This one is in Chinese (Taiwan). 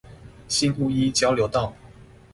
新屋一交流道